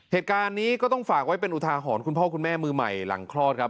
เหตุการณ์นี้ก็ต้องฝากไว้เป็นอุทาหรณ์คุณพ่อคุณแม่มือใหม่หลังคลอดครับ